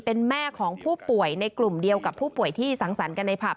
เป็นแม่ของผู้ป่วยในกลุ่มเดียวกับผู้ป่วยที่สังสรรค์กันในผับ